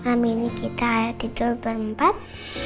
malam ini kita tidur berempat